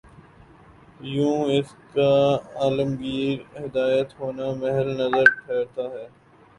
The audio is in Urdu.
یوں اس کا عالمگیر ہدایت ہونا محل نظر ٹھہرتا ہے۔